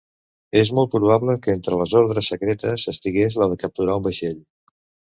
És molt probable que entre les ordres secretes estigués la de capturar un vaixell.